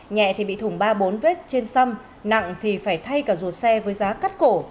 nhẹ thì bị thủng ba bốn vết trên xăm nặng thì phải thay cả ruột xe với giá cắt cổ